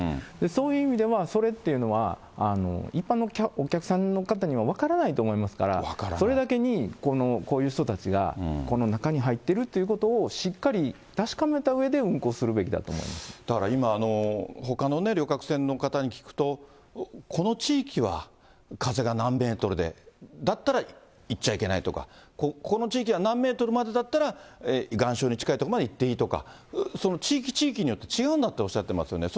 そういう意味では、それっていうのは、一般のお客さんの方には分からないと思いますから、それだけに、こういう人たちが、この中に入ってるということをしっかり確かめたうえで運航するべだから今、ほかの旅客船の方に聞くと、この地域は風が何メートルで、だったら行っちゃいけないとか、この地域は何メートルまでだったら、岩礁に近い所まで行っていいとか、地域地域によって違うんだっておっしゃってますよね。